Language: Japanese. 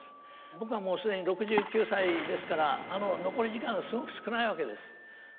僕はもう既に６９歳ですから残り時間すごく少ないわけです。